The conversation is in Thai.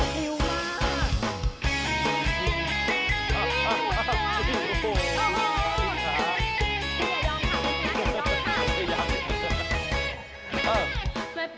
หิวมาก